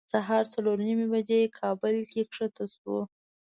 سهار څلور نیمې بجې کابل کې ښکته شوو.